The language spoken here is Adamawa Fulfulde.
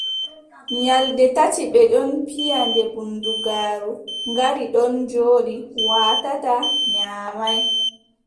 Nyalɗe tati ɓe ɗon piya ɗe bundugaaru ngaari ɗon jooɗi, waatataa, nyaamay.